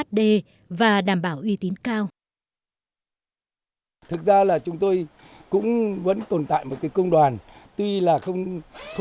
và đảm bảo uy tín cao